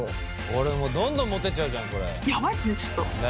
これもうどんどんモテちゃうじゃんこれ。